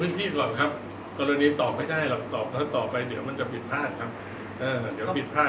เพิ่มต้นที่เอาแผนที่ถ้าเป็นดูเป็นยังยังไงบ้างค่ะมันจะไปยันหรือเปล่า